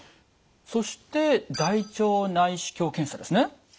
そして大腸内視鏡検査ですね。